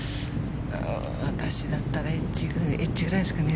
私だったらエッジぐらいですかね。